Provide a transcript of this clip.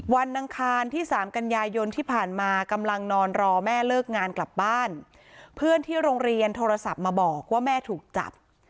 อังคารที่สามกันยายนที่ผ่านมากำลังนอนรอแม่เลิกงานกลับบ้านเพื่อนที่โรงเรียนโทรศัพท์มาบอกว่าแม่ถูกจับ